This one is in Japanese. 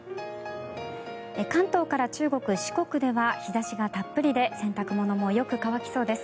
関東から中国・四国では日差しがたっぷりで洗濯物もよく乾きそうです。